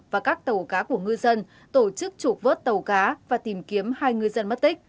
và các tàu cá của ngư dân tổ chức trục vớt tàu cá và tìm kiếm hai ngư dân mất tích